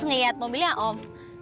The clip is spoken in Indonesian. ngelihat mobilnya om